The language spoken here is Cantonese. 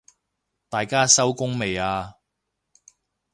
大家收工未啊？